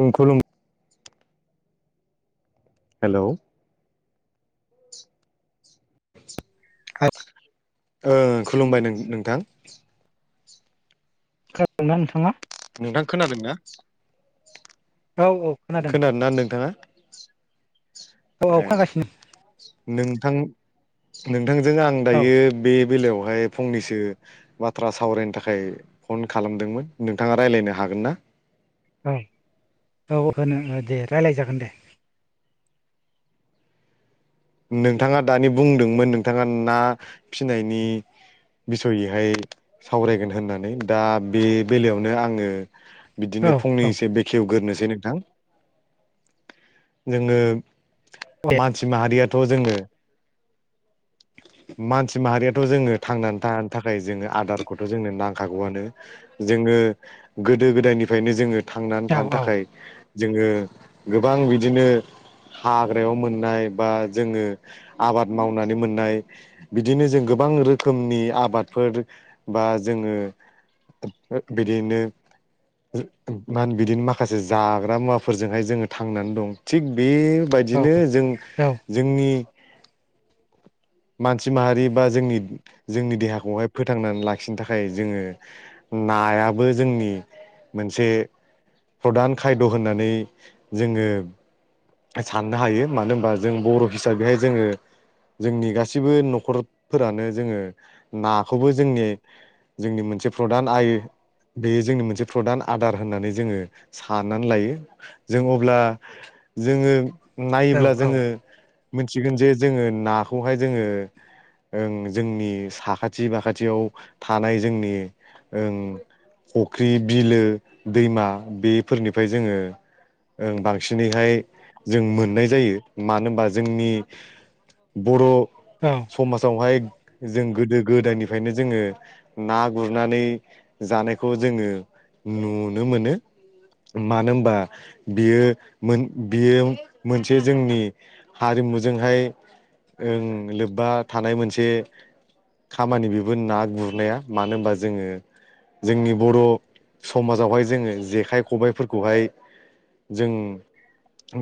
ओं खुलुम हेल' [unintelligible] औ ओं खुलुमबाय नोंथां। खोनादों ना नोंथाङा? नोंथां खोनादों ना? औ औ खोनादों। खोनादोंना नोंथाङा? औ औ ए खोनागासिनो नोंथां नोंथांजों आं औ दायो बे बेलायावहाय फंनैसो बाथ्रा सावरायनो थाखाय फन खालामदोंमोन नोंथाङा रायलायनो हागोना? औ औ होनो दे रायज्लाय जागोन दे। नोंथाङा दानि बुंदोंमोन नोंथाङा ना फिसिनायनि बिसयैहाय सावरायगोन होननानै दा बे बेलायावनो आङो बिदिनो औ औ फंनैसो बेखेवग्रोसै नोंथां जोङो दे मानसि माहारियाथ' जोङो मानसि माहारियाथ' जोङो थांनानै थानो थाखाय जोङो आदारखौथ' जोंनो नांखागौआनो जोङो गोदो गोदायनिफ्रायनो जोङो थांनानै औ थानो औ औ थाखाय जोङो गोबां बिदिनो हाग्रायाव मोननाय बा जोङो आबाद मावनानै मोननाय बिदिनो जों गोबां रोखोमनि आबादफोर बा जोङो बिदिनो मा होनो बिदिनो माखासे जाग्रा मुवाफोरजोंहाय जोङो थांनानै दं थिग बे औ बायदिनो जों औ जोंनि मानसि माहारि बा जोंनि जोंनि देहाखौहाय फोथांनानै लाखिनो थाखाय जोङो नायाबो जोंनि मोनसे प्रधान खायद' होननानै जोङो साननो हायो। मानो होनबा जों बर' हिसाबैहाय जोङो जोंनि गा सिबो न'खरफोरानो जोङो नाखौबो जोंनि जोंनि मोनसे प्रधान आइ बेयो जोंनि मोनसे प्रधान आदार होननानै जोङो साननानै लायो जों अब्ला जोङो औ नायोब्ला जोङो मिन्थिगोन जे जोङो नाखौहाय जोङो जों जोंनि साखाथि बाखाथियाव थानाय जोंनि ओं फुख्रि बिलो दैमा बेफोरनिफ्राय जोङो ओ बांसिनैहाय जों मोननाय जायो मानो होनबा जोंनि बर' औ समाजावहाय जों गोदो गोदायनिफ्रायनो जोङो ना गुरनानै जानायखौ जोङो नुनो मोनो। मानो होनबा बियो मो बियो मोनसे जोंनि हारिमुजोंहाय ओं लोब्बा थानाय मोनसे खामानि बेबो ना गुरनाया, मानो होनबा जोङो जोंनि बर' समाजावहाय जोङो जेखाइ खबाइफोरखौहाय जों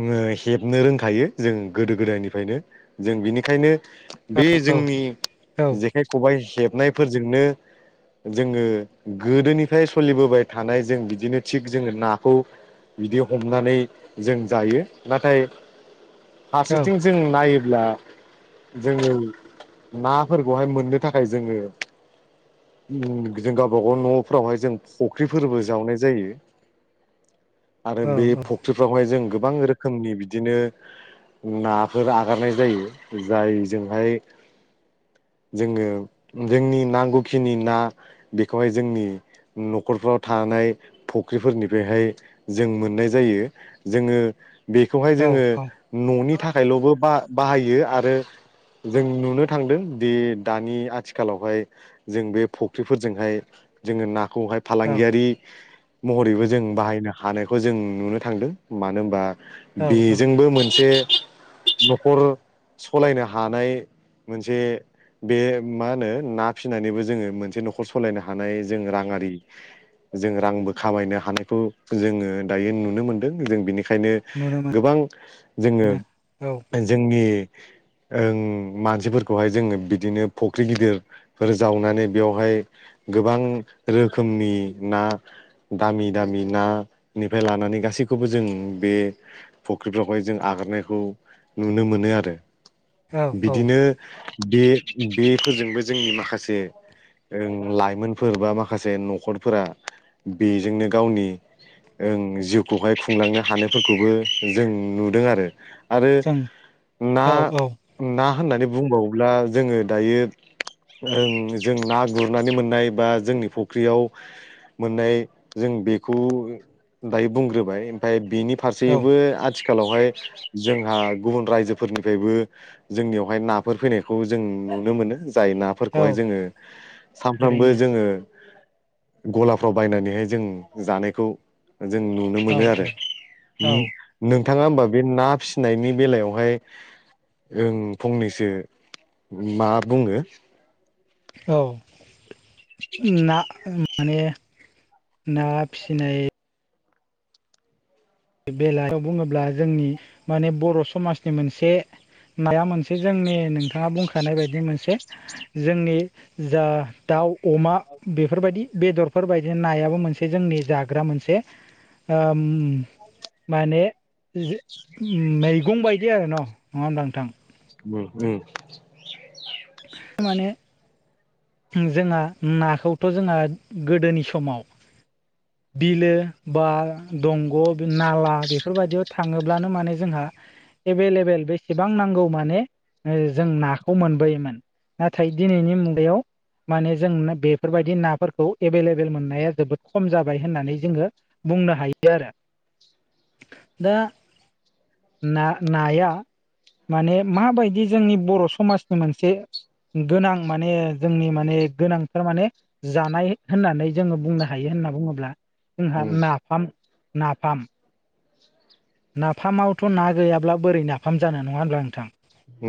नो-हेबनो रोंखायो जों गोदो गोदायनिफ्रायनो जों बिनिखायनो बे जोंनि जेखाइ खबाइ हेबनायफोरजोंनो जोङो गोदोनिफ्राय सोलिबोबाय थानाय जों बिदिनो थिग जोङो नाखौ बिदि हमनानै जों जायो। नाथाय फारसेथिं जों नायोब्ला जोङो नाफोरखौहाय मोननो थाखाय जोङो उम जों गावबागाव न'फोरावहाय जों फुख्रिफोरबो जावनाय जायो। आरो बे फख्रि फोरावहाय जों गोबां रोखोमनि बिदिनो नाफोर आगारनाय जायो। जाय जोंहाय जोङो जोंनि नांगौखिनि ना बेखौहाय जोंनि न'खरफ्राव थानाय फख्रिफोरनिफ्रायहाय जों मोननाय जायो। जोङो बेखौहाय जोङो औ औ न'नि थाखायल'बो बा-बाहायो आ रो जों नुनो थांदों दि दानि आथिखालावहाय जों बे फख्रिफोरजोंहाय जोङो नाखौहाय फालांगियारि महरैबो जों बाहायनो हानायखौ जों नुनो थांदों मानो होनबा औ औ बेजोंबो मोनसे न'खर सलायनो हानाय मोनसे बे मा होनो ना फिसिनानैबो जोङो मोनसे न'खर सालायनो हानाय जों राङारि जों रांबो खामायनो हानायखौ जोङो दायो नुनो मोनदों जों बेनिखायनो नुनो मोन गोबां जोङो जोंनि ओं मानसिफोरखौहाय जोङो बिदिनो फुख्रि गिदिर फोर जावनानै बेवहाय गोबां रोखोमनि ना दामि दामि नानिफ्राय लानानै गासैखौबो जों बे फुख्रिफ्रावहाय जों आगारनायखौ नुनो मोनो आरो। औ औ बिदिनो बे बेफोरजोंबो जोंनि माखासे लाइमोनफोर बा माखासे न'खरफोरा बेजोंनो गावनि ओं जिउखौहाय खुंलांनो हानायफोरखौबो जों नुदों आरो। आरो जों ना औ औ ना होननानै बुंबावोब्ला जोङो दायो जों जों ना गुरनानै मोननाय बा जोंनि फुख्रियाव मोननाय जों बेखौ दायो बुंग्रोबाय ओमफाय बेनिफ्राय औ फारसेबो आथिखालावहाय जोंहा गुबुन रायजोफोरनिफ्रायबो जोंनियावहाय नाफोर फैनायखौ जों नुनो मोनो जाय ना औ फोरखौहाय जोङो सानफ्रामबो थारैनो जोङो गलाफ्राव बायनानैहाय जों जानायखौ जों नु नो औ मोनो आरो औ औ उम नोंथाङा होमबा बे ना फिसिनायनि बेलायावहाय ओम फंनैसो मा बुङो? औ ना उम माने ना फिसिनाय बेलायाव बुङोब्ला जोंनि माने बर' समाजनि मोनसे नाया मोनसे जोंनि नोंथाङा बुंखानाय बायदि मोनसे जोंनि जा दाउ अमा बेफोरबायदि बेदरफोरबायदि नायाबो मोनसे जोंनि जाग्रा मोनसे आ ओम माने मैगं बायदि आरो न' नङा होमबा नोंथां? उम उम। माने उम जोंहा नाखौथ' जोंहा गोदोनि समाव [inaudible] बिलो बा दंग' नाला बेफोरबायदियाव थाङोब्लानो माने जोंहा एभेलेबेल बेसेबां नांगौ माने ओ जों नाखौ मोनबोयोमोन। नाथाय दिनैनि मुगायाव माने जों बेफोरबायदि नाफोरखौ एभेलेबेल मोननाया जोबोद खम जाबाय होननानै जोङो बुंनो हायो आरो दा ना नाया माने माबायदि जोंनि बर' समाजनि मोनसे गोनां माने जोंनि माने गोनांथार माने जानाय होननानै जोङो बुंनो हायो होनना बुङोब्ला जोंहा उम नाफाम नाफाम नाफामावथ' ना गैयाब्ला बोरै नाफाम जानो नङा होनब्ला नोंथां?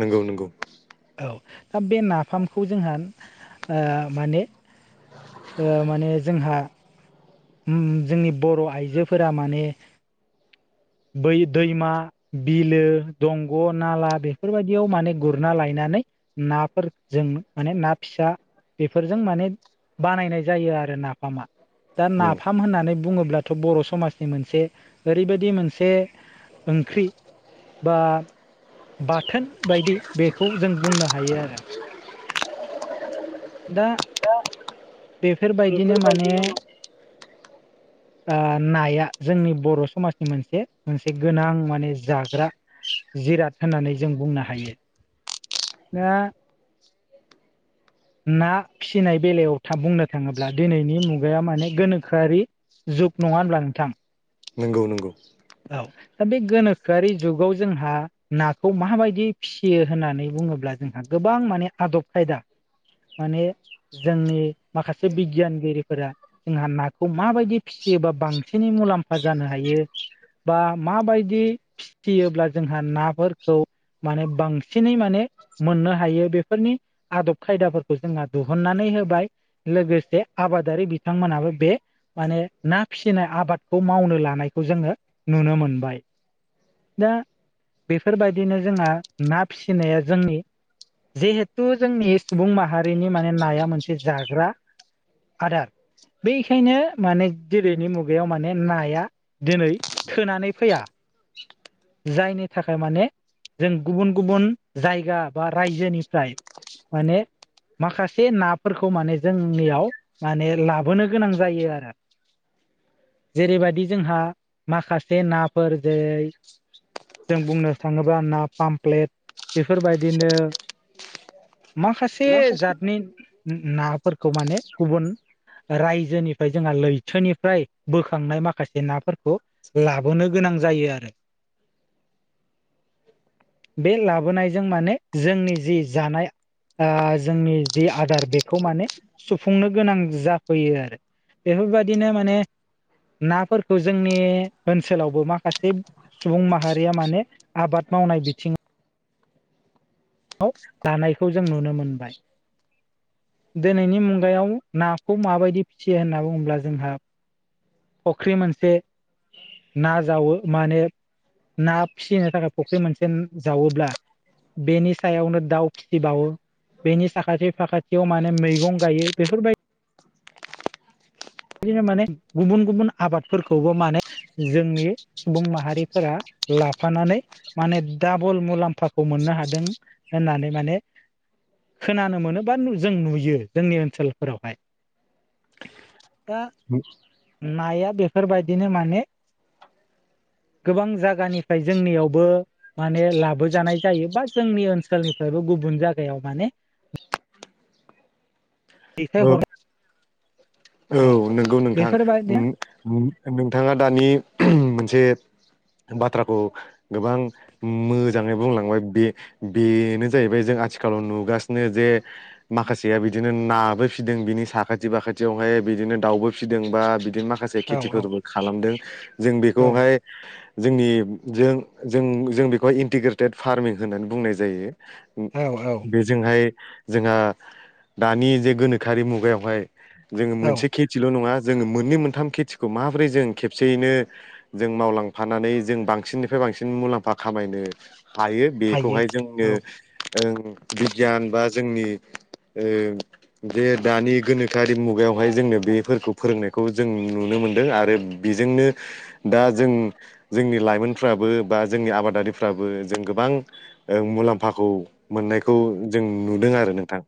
नंगौ नंगौ। औ दा बे नाफामखौ जोंहा ओ माने ओ माने जोंहा ओम जोंनि बर' आइजोफोरा माने बै दैमा बिलो दंग' नाला बेफोरबायदियाव माने गुरना लायनानै नाफोर जों माने ना फिसा बेफोरजों माने बानायनाय जायो आरो नाफामा। दा उम नाफाम होननानै बुङोब्लाथ' बर' समाजनि मोनसे ओरैबायदि मोनसे ओंख्रि बा बाथोन बायदि बेखौ जों बुंनो हायो आरो। दा दा‌ बेफोरबायदिनो बेफोर बायदिनो ओ‌ नाया जोंनि बर' समाजनि मोनसे मोनसे गोनां माने जाग्रा जिराद होननानै जों बुंनो हायो दा ना फिसिनाय बेलायाव थाब बुंनो थाङोब्ला दिनैनि मुगाया माने गोनोखोआरि जुग नङा होनब्ला नोंथां। नोंगौ। औ दा बे गोनोखोआरि जुगाव जोंहा नाखौ माबायदि फिसियो होननानै बुङोब्ला जोंहा गोबां माने आदब खायदा माने जोंनि माखासे बिगियानगिरिफोरा जोंहा नाखौ माबायदि फिसियोबा बांसिनै मुलाम्फा जानो हायो बा माबायदि फिसियोब्ला जोंहा नाफोरखौ माने बांसिनै माने मोननो हायो बेफोरनि आदब खायदाफोरखौ जोंहा दिहुननानै होबाय। लोगोसे आबादारि बिथांमोनाबो बे माने ना फिसिनाय आबादखौ मावनो लानायखौ जोङो नुनो मोनबाय। दा बेफोरबायदिनो जोंहा ना फिसिनाया जोंनि जिहेथु जोंनि सुबुं माहारिनि माने नाया मोनसे जाग्रा आदार बेखायनो माने दिनैनि मुगायाव माने नाया दिनै थोनानै फैया जायनि थाखाय माने जों गुबुन गुबुन जायगा बा रायजोनिफ्राय माने माखासे नाफोरखौ माने जोंनियाव माने लाबोनो गोनां जायो आरो‌। जेरैबायदि जोंहा माखासे नाफोर जेरै जों बुंनो थाङोबा ना पामफ्लेट बेफोरबायदिनो माखासे जातनि नाफोरखौ माने गुबुन रायजोनिफ्राय जोंहा लैथोनिफ्राय बोखांनाय माखासे नाफोरखौ लाबोनो गोनां जायो आरो। [unintelligible] बे लाबोनायजों माने जोंनि जि जानाय आ जोंनि जि आदार बेखौ माने सुफुंनो गोनां जाफैयो आरो बेफोरबायाददिनो माने नाफोरखौ जोंनि ओनसोलावबो माखासे सुबुं माहारिया माने आबाद मावनाय बिथिङाव औ दानायखौ जों नुनो मोनबाय। दिनैनि मुगायाव नाखौ माबायदि फिसियो होनना बुङोब्ला जोंहा फुख्रि मोनसे ना जावो माने ना फिसिनो थाखाय फुख्रि मोनसे जावोब्ला बेनि सायावनो दाउ फिसिबावो बेनि साखाथि फाखाथियाव माने मैगं गायो बेफोरबायदि बिदिनो माने गुबुन-गुबुन आबादफोरखौबो माने जोंनि सुबुं माहारिफोरा लाफानानै माने डाबल मुलाम्फाखौ मोननो हादों होननानै माने खोनानो मोनो बा जों नुयो जोंनि ओनसोलफोरावहाय। दा [unintelligible] नाया बेफोरबायदिनो माने गोबां जायगानिफ्राय जोंनियावबो माने लाबोजानाय जायो बा जोंनि ओनसोलनिफ्रायबो गुबुन जायगायाव माने दैेथाय औ [unintelligible] औ नंगौ नोंथां बेफोरबायदिनो [unintelligible] नोंथाङा दानि मोनसे बाथ्राखौ गोबां मोजाङै बुंलांबाय बे-बेनो जाहैबाय जों आथिखालाव नुगासिनो जे माखासेया बिदिनो नाबो फिदों बिनि साखाथि बाखा थियावहाय बिदिनो दाउबो फिसिदों बा बिदिनो माखासे औ औ खेथिफोरबो खालामदों जों औ बेखौहाय [inaudible] जोंनि जों जों जों बेखौहाय इन्टिग्रेटेड फार्मिं होननानै बुंनाय जायो। औ औ जोंहाय जोंहा दानि जे गोनोखोआरि मुगायावहाय जोङो औ मोनसे खे थिल' नङा जोङो मोननै मोनथाम खेथिखौ माबोरै जों खेबसेयैनो जों मावलांफानानै जों बांसिननिफ्राय बांसिन मुलाम्फा खामायनो हायो हायो बेखौहाय जोंनो औ ओं बिगियान बा जोंनि ओ जे दानि ओ गोनो खारि मुगायावहाय जोंनो बेफोरखौ फोरोंनायखौ जों नुनो मोनदों आरो बेजोंनो दा जों जोंनि लाइमोनफ्राबो बा जोंनि आबादारिफ्राबो जों गोबां ओ मुलाम्फाखौ मोननायखौ जों नुदों आरो नोंथां।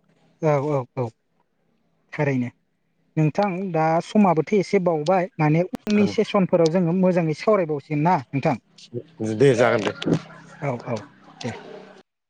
औ औ औ थारैनो नोंथां दा समाबोथ' एसे बावबाय माने उननि सेसनफोराव जोङो मोजाङै सावरायबावसिगोन ना नोंथां। दे जागोन दे। औ औ दे